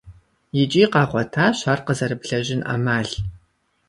ИкӀи къагъуэтащ ар къызэрыблэжьын Ӏэмал.